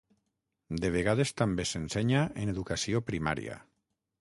De vegades també s'ensenya en educació primària.